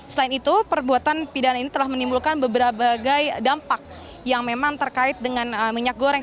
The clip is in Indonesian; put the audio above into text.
selain itu perbuatan pidana ini telah menimbulkan beberapa dampak yang memang terkait dengan minyak goreng